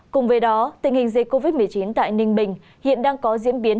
cùng với đó tình hình dịch covid một mươi chín tại ninh bình hiện đang có diễn biến